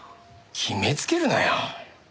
決めつけるなよ。